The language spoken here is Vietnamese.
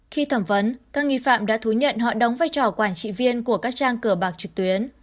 khi thẩm vấn các nghi phạm đã thú nhận họ đóng vai trò quản trị viên của các trang cờ bạc trực tuyến